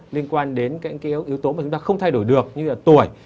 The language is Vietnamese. liên quan đến cái yếu tố mà chúng ta không thay đổi được như là tuổi